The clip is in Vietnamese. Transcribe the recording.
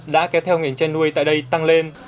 đã kéo theo nghề chanh nuôi tại đây tăng lên